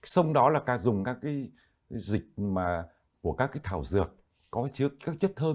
sông đó là cả dùng các dịch của các thảo dược có chất thơm